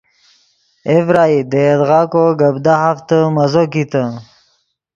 اے ڤرائی دے یدغا کو گپ دہافتے مزو کیتے